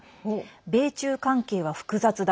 米中関係は複雑だ。